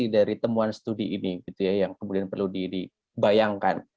dari temuan studi ini yang kemudian perlu dibayangkan